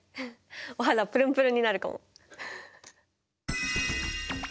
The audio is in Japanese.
お肌プルンプルンになるかも！